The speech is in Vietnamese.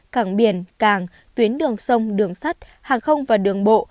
cảng biển cảng tuyến đường sông đường sắt hàng không và đường bộ